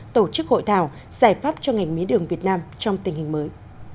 tổ chức hội thảo giải pháp cho ngành mía đường việt nam trong tình hình mới